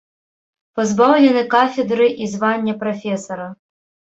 Пазбаўлены кафедры і звання прафесара.